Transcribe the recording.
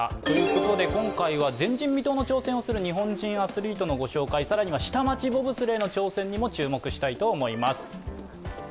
ということで、今回は前人未到の挑戦をする日本人アスリートの御紹介、ご紹介、さらには下町ボブスレーの挑戦もご紹介したいと思います。